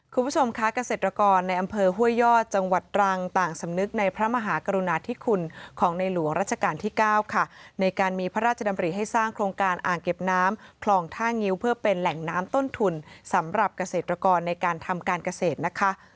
คุณผู้ชมค่ะเกษตรกรในอำเภอห้วยยอดจังหวัดตรังต่างสำนึกในพระมหากรุณาธิคุณของในหลวงราชการที่๙ค่ะในการมีพระราชดำริให้สร้างโครงการอ่างเก็บน้ำคลองท่างิ้วเพื่อเป็นแหล่งน้ำต้นทุนสำหรับเกษตรกรในการทำการเกษตรนะคะ